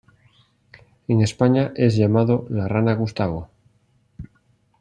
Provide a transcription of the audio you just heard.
En España, es llamado la "Rana Gustavo".